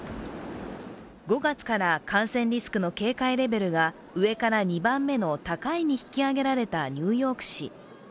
５月から感染リスクの警戒レベルが上から２番目の引き上げられたニューヨーク市。